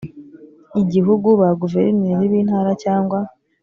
igihugu ba guverineri b intara cyangwa